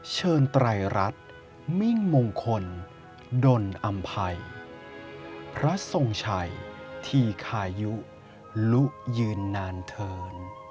ไตรรัฐมิ่งมงคลดนอำภัยพระทรงชัยธีคายุลุยืนนานเถิน